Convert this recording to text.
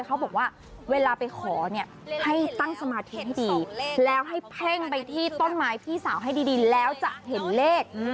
เขาบอกว่าเวลาไปขอเนี่ยให้ตั้งสมาธิให้ดีแล้วให้เพ่งไปที่ต้นไม้พี่สาวให้ดีแล้วจะเห็นเลข